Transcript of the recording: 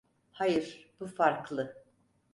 Hayır, bu farklı.